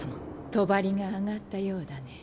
帳が上がったようだね。